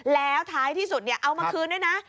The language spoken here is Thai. แล้วท้ายที่สุดเอามาคืนด้วยนะ